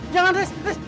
jangan haris haris